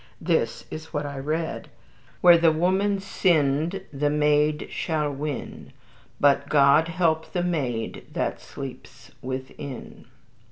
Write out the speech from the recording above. This is what I read: "Where the woman sinned the maid shall win; But God help the maid that sleeps within."